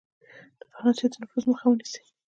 د فرانسې د نفوذ مخه ونیسي.